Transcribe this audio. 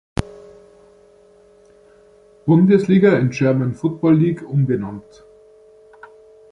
Bundesliga in German Football League umbenannt.